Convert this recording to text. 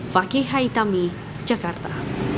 fakih haitami jakarta